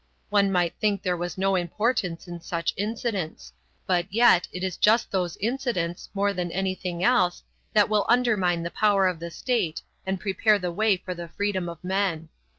One might think there was no importance in such incidents; but yet, it is just those incidents, more than anything else, that will undermine the power of the state and prepare the way for the freedom of men.